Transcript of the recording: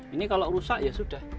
ini kalau rusak ya sudah